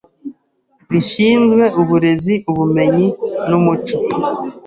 rishinzwe uburezi Ubumenyi n’Umuco